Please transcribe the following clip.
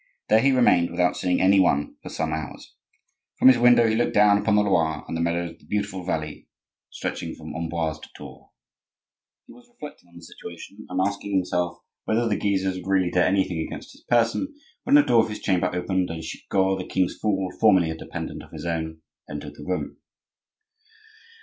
There he remained, without seeing any one, for some hours. From his window he looked down upon the Loire and the meadows of the beautiful valley stretching from Amboise to Tours. He was reflecting on the situation, and asking himself whether the Guises would really dare anything against his person, when the door of his chamber opened and Chicot, the king's fool, formerly a dependent of his own, entered the room.